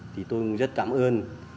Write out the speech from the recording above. thì tôi rất cảm ơn